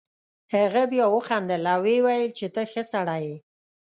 هغه بیا وخندل او ویې ویل چې ته ښه سړی یې.